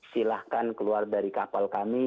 silahkan keluar dari kapal kami